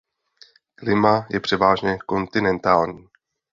Klima je převážně kontinentální.